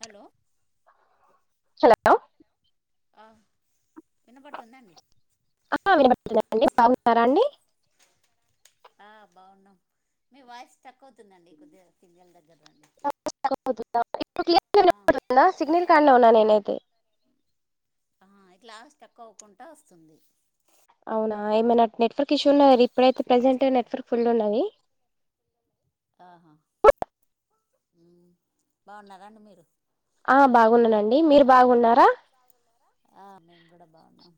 Hello hello ఆ వినపడుతుందా అండి ఆ వినబడుతుంది చెప్పండి బాగున్నారా అండి ఆ బాగున్నాం మీ వాయిస్ తక్కువ అవుతుందండి కొద్దిగా సిగ్నల్ దగ్గరకి రండి ఇప్పుడు క్లియర్ గా ఆ వినబడుతుందా సిగ్నల్ కాడ్లో ఉన్నా నేనైతే ఆహా ఇట్లా లాస్ట్ తక్కువ అవ్వకుంటా వస్తుంది అవునా ఏమైనా నెట్వర్క్ ఇష్యూ ఉన్న ఇప్పుడైతే ఫస్ట్ ప్రెజెంట్ అవుతుంది నెట్వర్క్ ఫుల్ ఉన్నది ఆహా ఊ బాగున్నారండి మీరు ఆ బాగున్నానండి మీరు బాగున్నారా ఆ మేము కూడా బాగున్నాం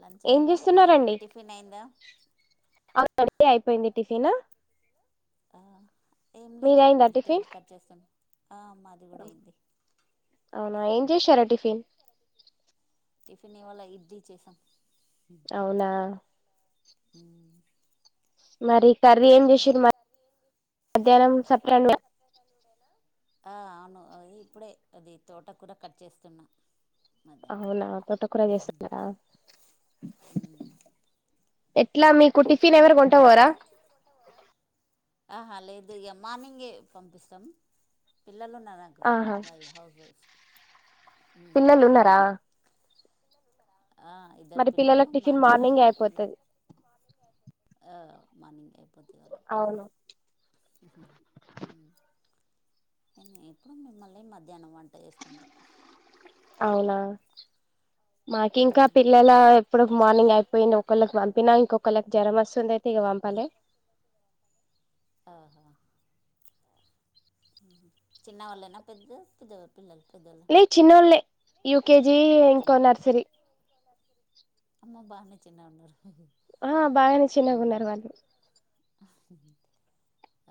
లంచ్ ఏం అయిందా ఆ చేస్తున్నారండి టిఫిన్ అయిందా అప్పుడే అయిపోయింది టిఫిన్ ఆ ఏం లేదు మీదైందా టిఫిన్ వెజిటేబుల్ కట్ చేస్తాను ఆ మాది కూడా అయింది అవునా ఏం చేశారా టిఫిన్ టిఫిన్ ఇవాళ ఇడ్లీ చేసాం అవునా ఊ మరి కర్రీ ఏం మరి చేసారు కర్రీ ఏం చేసిరు [unintelligible] మధ్యాహ్నం మధ్యాహ్నం సపరేట్ కతే ఆ అవును అది ఇప్పుడే అది తోట కూర కట్ చేస్తున్నా మధ్యాహ్నం అవునా తోట కూర చేస్తునారా ఎట్లా మీకు టిఫిన్ ఎవరు ఇట్లా మీకు కొంటపోరా టిఫీన్ ఎవరు కొంట్టవరా ఆహా లేదు ఇక మార్నింగ్ పంపిస్తాం పిల్లలు ఉన్నార కు ఆహా మరి హౌస్ వైఫ్ ను ఆ పిల్లలు ఉన్నారా ఉహు ఆ ఇద్దరు మరి పిల్లలు పిల్లలకు టిఫిన్ మార్నింగ్ ఆలు టిఫిన్ జే అయిపోతది ఆ మర్నింగ్ అయిపోతది వాళకు అవును ఊ నేన్ ఇప్పుడు మల్లి మధ్యాహ్నం వంట చేసుకుంటాం అవునా మాకు ఇంకా పిల్లల ఇప్పుడు మార్నింగ్ అయిపోయింది ఒకళ్ళకి పంపిన ఇంకొకళ్ళకి జ్వర వస్తుంది అయితే ఇక పంపలే ఆహా చిన్న వాళ్ళైనా పెద్ద పెద్దవా పిల్లలు పెద్దోళ్ళు లే చిన్నోలే యూకేజీ ఇంకో నర్సరీ అమ్మా బానే చిన్న ఉన్నరు ఆ బాగానే ఊ చిన్నగా ఉన్నారు వాళ్ళు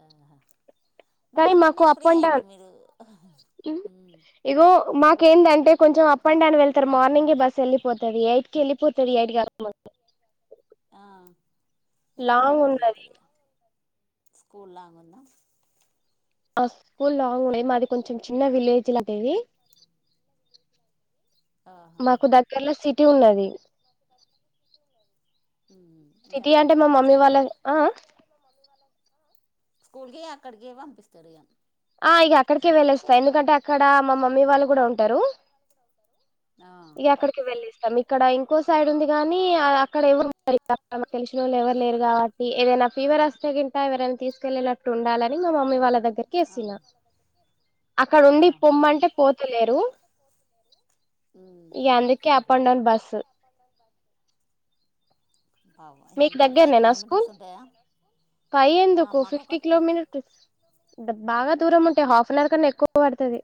ఆహా మరి కానీ మంచినే ఫ్రీ అయ్యంరు మీరు ఉ ఇగో మాకేందంటే కొంచెం అప్ అండ్ డౌన్ వెళ్తారు మార్నింగ ఏ బస్ వెళ్ళి పోతది ఎయిట్కి వెళ్లి పోతది ఎయిట్ కాకముందు ఆ మొత్తం లాంగ్ దగడి ఉన్నది ఐతది ఇగ స్కూల్ ల ఆమె వున్ను ఆ స్కూల్ లాంగ్ ఉండది మాది కొంచెం చిన్న విలేజ్లాంటిది ఆహా మాకు దగ్గర్లో సిటీ ఉన్నది ఊ ఇగ సిటీ అంటే అక్కడికె మా మమ్మీ పంపిస్తా వాళ్ళ స్కూల్ కి ఆ మా మమ్మీ వాళ్ళ [unintelligible] స్కూల్కి అక్కడికి పంపిస్తరు ఇగ ఆ ఇక అక్కడికే వెళ్ళేస్తాయి ఎందుకంటే అక్కడ మా మమ్మీ వాళ్ళు కూడా ఉంటారు ఆ ఇగ అక్కడికి వెళ్ళిస్తాం ఇక్కడ ఇంకో సైడ్ ఉంది గాని అక్కడ ఎవరు ఇగ అక్కడ మాకు తెలిసినోళ్ ఎవరు లేరు కాబట్టి ఏదైనా ఫీవర్ వస్తే కింటా ఎవరైనా తీసుకెళ్ ఉండాలని మా మమ్మీ వాళ్ళ క్కేసిన అక్కడ వెళ్తున్నాం ఉండి ఆహా పొమ్మ అంటే పోతలేరు ఉమ్ ఇగ అందుకే అప్ అండ్ డౌన్ బస్సు [inaudible] ఆ మీకు దగ్గరనే నా స్కూల్ పై ఆ ఎందుకు మాకు ఒక ఫిఫ్టీ టూ కిలోమీనాట్ బాగా దూరం ఉంటే హాఫ్ అన్ అవర్ కన్నా ఎక్కువ పడుతది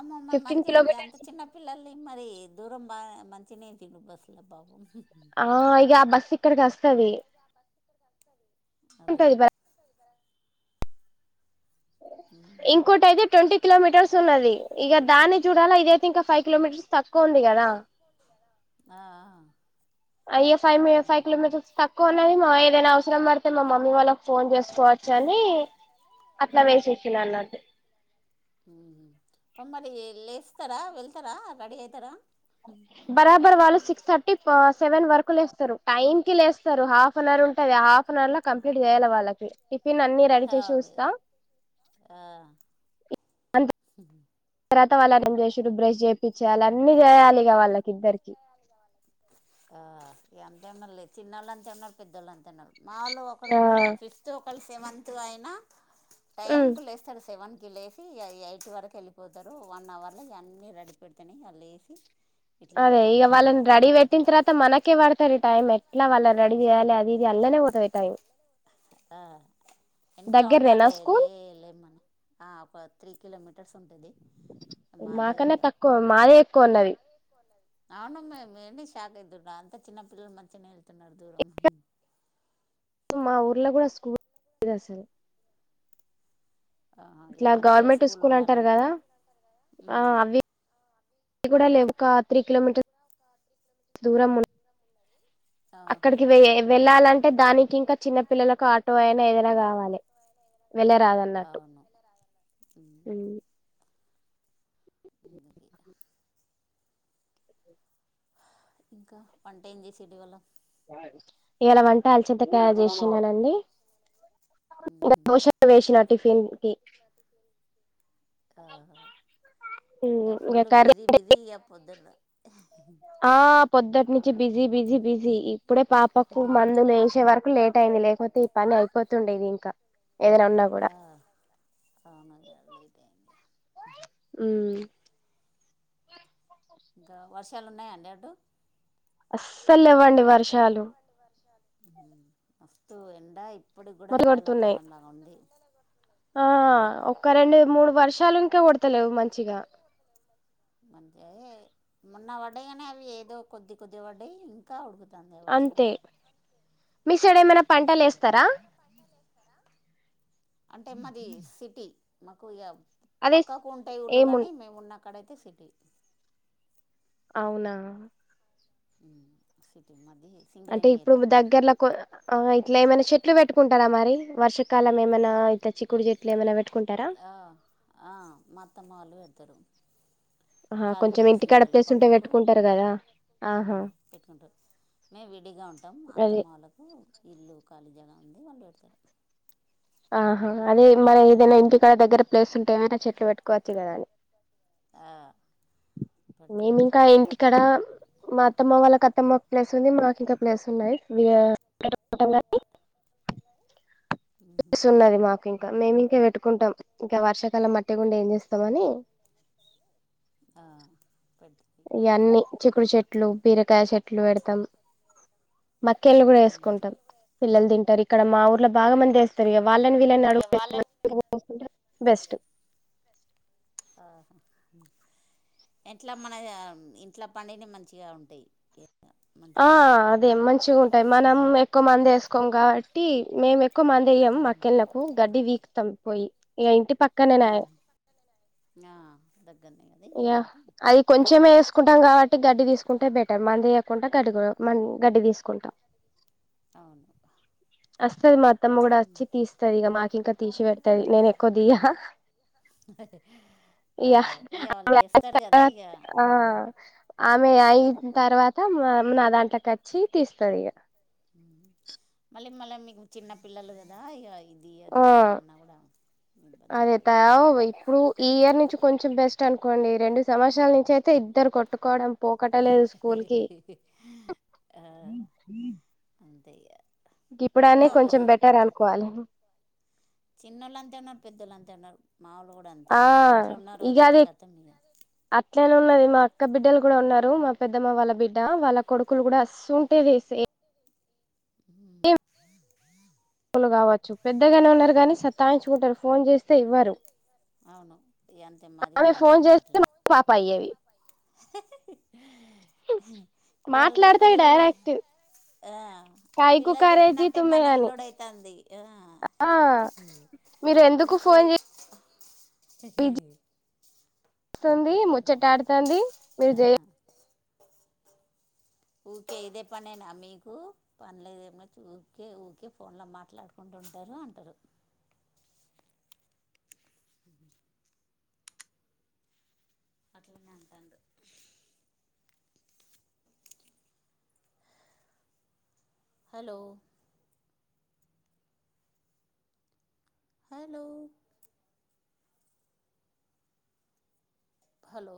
అమ్మమ్మా ఫిఫ్టీన్ మంచినే అంత కిలోమీటర్స్ చిన్న పిల్లల్ని మరి దూరం బాగా మంచినే తిను బస్సులో పాపం ఆ ఈగ ఆ బస్ ఇక్కడకి వస్తాది [unintelligible] అదే బ ఇంకోటితే ట్వంటీ కిలోమీటర్స్ ఉన్నది ఇగా దాన్ని చూడాలా ఇదయితే ఇంకా ఫైవ్ కిలోమీటర్స్ తక్కువ ఎక్కువ ఉంది కదా ఆ ఆ అయ్యో ఫైవ్ ఎమ్ ఫైవ్ కిలోమీటర్ల తక్కువ కొన్నది మా ఏదైనా అవసరం పడితే మా మమ్మీ వాళ్ళకి ఫోన్ చేసుకోవచ్చు అని అట్లా వేసేసి అన్నట్టు మ్ హా ఆ మరి లేస్తారా వెళ్తారా రెడీ అయితరా బరాబర్ వాళ్ళు సిక్స్ థర్టీ సెవెన్ వరకు లేస్తారు టైమ్ కి లేస్తారు హాఫ్ అన్ అవర్ ఉంటది హాఫ్ ఆఫెన్ అవర్ లో కంప్లీట్ చేయాలి వాళ్ళకి, టిఫిన్ అన్ని రెడీ చేసి అవును ఉంచుతా ఆ అంత ఇ తర్వాత వాళ్ళనే ఏం చేసిండ్రు బ్రష్ చేపించాలా అన్ని చేయాలిగా వాళ్ళకి ఇద్దరికి ఆ ఎంతేమన్నా లేదు చిన్నోళ్ళు అంతేన్నారు పెద్దోళ్ళు అంతేన్నారు మా వాళ్ళు ఆ ఫిఫ్త్ ఒకళ్ళు సెవెంత్ అయినా టైం ఉమ్ కి లేస్తారు సెవెన్ కి లేసి ఎయిట్ వరకు వెళ్ళిపోతారు వన్ అవర్లో ఇవన్నీ రెడీ పెడతాను వాళ్ళు లేసి ఇట్లా అదే వెళ్తారు ఇక ఇగ వాళ్ళని రెడీ బాతం పెట్టిన తర్వాత మనకే పడతాది టైం ఎట్లా వాళ్ళని రెడీ చేయాలి అది ఇది అల్లనే పోతది టైం హా ఇంకా దగ్గరనేనా ఉండాలి స్కూల్ లే లే మనీ హా ఫో త్రీ కిలోమీటర్స్ ఉంటాది మాకన్నా తక్కువ మాదే ఎక్కువ ఉన్నది అవునమ్ మేమే షాక్ అవుతున్న అంత చిన్న పిల్లల మధ్యనే వెళ్తున్నారు దూరం మా ఊర్లో కూడా స్కూల్ లేదు అసలు ఆహా ఇక ఇట్లా మంచిగా గవర్నమెంట్ స్కూల్ అంటారు ఉండాలంటే కదా హా ఉమ్ అవి ఇది కూడా లేవు, ఒక త్రీ కిలోమీటర్ దూరం ఉన్ ఆహా అక్కడికి వె వెళ్ళాలంటే దానికి ఇంకా చిన్న పిల్లలకు ఆటో అయినా ఏదైనా కావాలి వెళ్ళరాదన్నట్టు. అవును ఉమ్ [inaudible] ఇంకా, వంట ఏం చేసిండ్రు ఇవాళ? ఇవాలా వంట అలసంద కాయ చేసిననండీ ఈడ దోష వేసిన టిఫిన్ కి ఆ ఇగ ఫుల్ బిజీ బిజీయ పొద్దున్నే ఆ పొద్దుటి నుంచి బిజీ బిజీ బిజీ ఇప్పుడే పాపకు మందులు వేసే వరకు లేట్ అయింది లే పోతే ఈ పని అయిపోతుండేది ఇంకా ఎవరున్నారు ఆ ఆ మల్ల లేట్ అయింది మ్ ఇంకా వర్షాలు ఉన్నాయా అండి అటు అస్సలు లేవండి వర్ష్ అసలు లేవండి వర్షాలు మ్ మస్తు ఎండ ఇప్పుడు ఇప్పుడే మత్తు ఎండాల కొడుతున్నాయి కాలం లా ఉంది ఆ ఉమ్ ఒకా రెండు మూడు వర్షాలు ఇంకా కొడతలేవు మంచిగా అంటే మొన్న పడ్డాయి కానే అవి ఏదో కొద్ది కొద్ది పడ్డాయి ఇంకా ఉడుకుతాంది వర్షాలది మిసైడ్ ఏమైనా పంటలు ఏస్తరా పంటలు ఏస్తరా అంటే మాది సిటీ మాకు యా అదే పక్కకు ఉంటాయి ఊళ్ళు ఏము కానీ మేము ఉన్నకాడైతే సిటీ అవునా హు సిటీ మాది అంటే సింగరేణి ఇప్పుడు ఏరియా దగ్గర్లకు ఆ ఇట్లా ఏమైనా చెట్లు పెట్టుకుంటారా మరి వర్షాకాలం ఏమైనా ఇట్ట చిక్కుడు చెట్లు ఏమైనా పెట్టుకుంటారా ఆ ఆ మా అత్తమ్మ వాళ్ళు పెడతారు హా కొంచెం ఇంటికాడ ప్లేస్ ఉంటే పెట్టుకుంటారు కదా ఉ ఆహా పెట్టుకుంటారు మేము విడిగా ఉంటాం మా అదే అత్తమ్మ వాళ్ళ ఇల్లు ఖాళీగా ఉంది వాళ్ళు పెడతారు ఆహా అదే మరి ఏదైనా ఇంటికాడ దగ్గర ప్లేస్ ఉంటే ఏమై చెట్లు పెట్టుకోవచ్చు కదా అని ఆ మేమి ఇంకా ఇంటికాడ మా అత్తమ్మ వాళ్ళకి అత్తమ్మ ప్లేస్ ఉంది మాకి ఇక ప్లేస్ ఉన్నాయి వి యా కుంటాం కాని ప్లేస్ ఉన్నది మాకు ఇంకా మేమి ఇంకా పెట్టుకుంటాం ఇంకా వర్షాకాలం మట్టి గుండా ఏం చేస్తామని ఆ పెడతారు ఇయన్నీ చిక్కుడు చెట్లు బీరకాయ చెట్లు పెడతాం మా అక్కయల్లు కూడా వేసుకుంటాం పిల్లలు తింటారు ఇక్కడ మా ఊర్లో బాగా మంది వేస్తారు వాళ్ళని వీళ్ళని ఇగ అడుగు వాళ్ళని [unintelligible] బెస్ట్ ఆ ఎట్ల మనగా ఇంట్లో పండినివి మంచిగా ఉంటాయి మంచిగా ఆ అనిపిస్తాయి అదే కూరగాయలు మంచిగా ఉంటాయి మనం ఎక్కువ మంది వేసుకోం కాబట్టి మేమే ఎక్కువ మంది లేము మక్కెళ్ళలకు గడ్డి పీకుతం పోయి ఇగ ఇంటి ప ఉ ఆ దగ్గర్నే కదే ఇగ అన్నట్టు అది కొంచెమే అది వేసుకుంటాం కొంచమే వేసుకుంటాం కాబట్టి గడ్డి కుంటా గడ్డి కో మ గడ్డి తీసుకుంటా అవును అస్తది మా అత్తమ్మ కూడా వచ్చి తీస్ సరిగా మాకు ఇంకా తీసి పెడతది నేను ఎక్కువ దియా ఆ ఇయా వాళ్ళు ఏస్తరు గదా ఇగ ఆ ఉ ఆమె అయిన తర్వాత వాళ్ళు నా దాంట్లోకి వచ్చి తీస్తది ఇగ ఉ మళ్ళీ మళ్ళీ మీకు చిన్న పిల్లలు కదా ఇగా ఇది ఆ అది చేయాలన్నా కూడా ఇబ్బంది అదే అయితది త ఇప్పుడు ఈ ఇయర్ నుంచి కొంచెం బెస్ట్ అనుకోండి రెండు సంవత్సరాల నుంచి అయితే ఇద్దరు కొట్టుకోవడం పోకటలేదు స్కూల్ కి ఆ అంతే ఇగ ఓ ఇప్పుడని ఓ కొంచెం బెటర్ అనుకోవాలి చిన్నోళ్ళు అంతే ఉన్నారు, పెద్దోళ్లు అంతే ఉన్నారు మాములు కూడా అంతే ఆ మా ఇంట్లో ఉన్న ఇగ రోజయితే అది కతం ఇగ అట్లనే ఉన్నది మా అక్క బిడ్డలు కూడా ఉన్నారు మా పెద్దమ్మ వాళ్ళ బిడ్డ వాళ్ళ కొడుకులు కూడా అసుంటిదే సేమ్ హ పలు కావచ్చు పెద్దగానే ఉన్నారు కానీ సతాయించుకుంటారు ఫోన్ చేస్తే ఇవ్వరు అవును అంతే మాది ఆమె కూడా అంతే ఫోన్ అంది చేస్తే అట్లనే పాప అయ్యేవి హె హె హె ఇవాళ్ట మాట్లాడతాయి పిల్లల్ డైరెక్ట్ ఆ కాయకు పిల్లలు కారేజీ చెప్పినట్టే తుమ్మే మన అని వినుడైతుంది ఆ ఆ మీరు ఎందుకు ఫోన్ చే హె హె హి తుంది ముచ్చటాడుతుంది మీరు జేయ ఆ ఊకే ఇదే పనేనా మీకు పనులేదు ఏంలేదు ఊకే ఊకే ఫోన్ లో మాట్లాడుకుంటూ ఉంటారు అంటారు. హ అట్లనే అంటాండు హలో హలో హలో